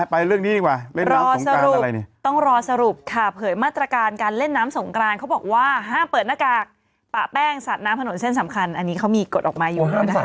ไปเรื่องนี้ดีกว่ารอสรุปต้องรอสรุปค่ะเผยมาตรการการเล่นน้ำสงกรานเขาบอกว่าห้ามเปิดหน้ากากปะแป้งสัดน้ำถนนเส้นสำคัญอันนี้เขามีกฎออกมาอยู่นะคะ